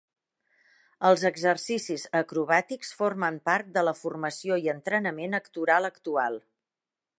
Els exercicis acrobàtics formen part de la formació i entrenament actoral actual.